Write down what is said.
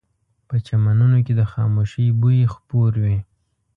په چمنونو کې د خاموشۍ بوی خپور وي